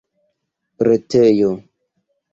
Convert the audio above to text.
retejo